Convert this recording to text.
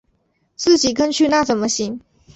自己跟去那怎么行